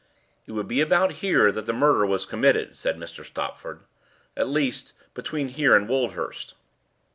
"It would be about here that the murder was committed," said Mr. Stopford; "at least, between here and Woldhurst."